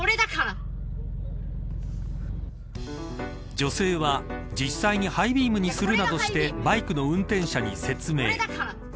女性は、実際にハイビームにするなどしてバイクの運転者に説明。